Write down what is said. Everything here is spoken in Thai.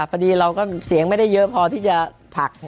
พอดีเราก็เสียงไม่ได้เยอะพอที่จะผลัก